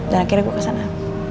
dan akhirnya gue kesana